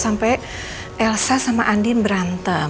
sampai elsa sama andin berantem